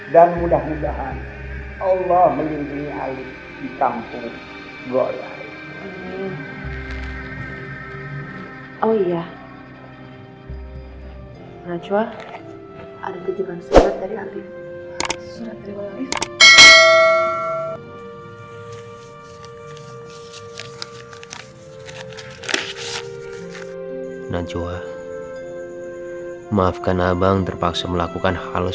dan mudah mudahan allah melintingi alif di kampung goloh